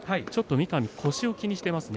三上は腰を気にしていますね。